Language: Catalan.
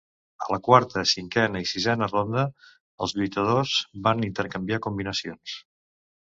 A la quarta, cinquena i sisena ronda, els lluitadors van intercanviar combinacions.